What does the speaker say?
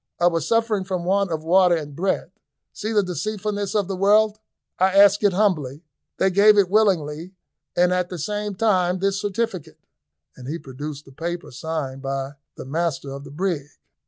I was suffering from want of water and bread. See the deceitfulness of the world; I asked it humbly, they gave it willingly, and at the same time this certificate," and he produced the paper signed by the master of the brig.